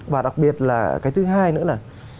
và đặc biệt là cái thứ hai nữa là